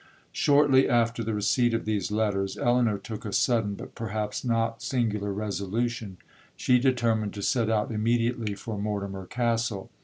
'Shortly after the receipt of these letters, Elinor took a sudden, but perhaps not singular resolution,—she determined to set out immediately for Mortimer Castle.